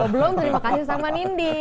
belum terima kasih sama nindi